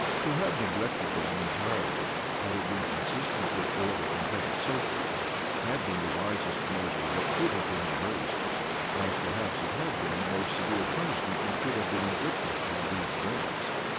To have neglected them entirely, had it been consistent with order and public safety, had been the wisest measure that could have been embraced; as perhaps it had been the most severe punishment that could have been inflicted on these zealots.